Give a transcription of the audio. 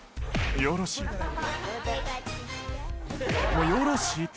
「よろしいて」